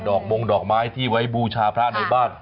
มงดอกไม้ที่ไว้บูชาพระในบ้าน